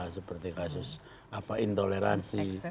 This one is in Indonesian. seperti kasus intoleransi